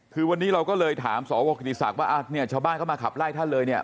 คือวันนี้เราก็เลยถามสวกิติศักดิ์ว่าเนี่ยชาวบ้านเข้ามาขับไล่ท่านเลยเนี่ย